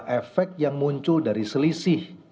efek yang muncul dari selisih yang berbeda kalau dia kurang